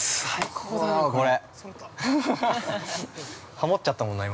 ◆ハモっちゃったもんな、今。